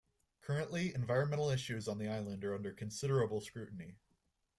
Currently, environmental issues on the island are under considerable scrutiny.